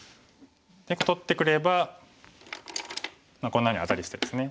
取ってくればこんなふうにアタリしてですね。